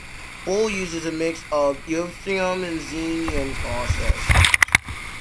Bull uses a mixture of Itanium and Xeon processors.